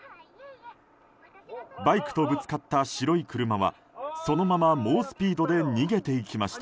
バイクとぶつかった白い車はそのまま猛スピードで逃げていきました。